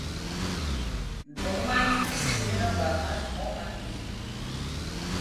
Dolomite is similar but has more magnesium.